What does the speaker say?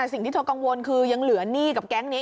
แต่สิ่งที่เธอกังวลคือยังเหลือหนี้กับแก๊งนี้